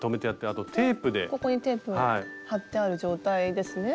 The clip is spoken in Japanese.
ここにテープ貼ってある状態ですね。